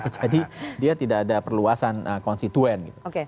jadi dia tidak ada perluasan konstituen